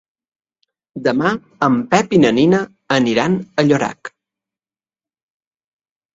Demà en Pep i na Nina aniran a Llorac.